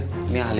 saat apa rafael